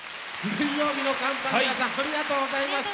水曜日のカンパネラさんありがとうございました！